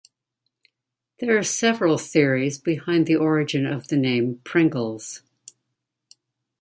There are several theories behind the origin of the name "Pringles".